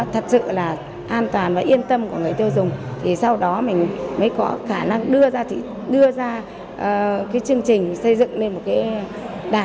thật sự là an toàn và yên tâm của người tiêu dùng thì sau đó mình mới có khả năng đưa ra cái chương trình xây dựng lên một cái đạt